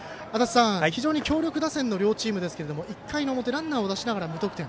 非常に強力打線の両チームですが１回の表、ランナーを出しながら無得点。